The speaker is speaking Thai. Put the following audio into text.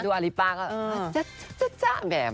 ดูอลิปป้าก็จ๊ะจ๊ะจ๊ะจ๊ะ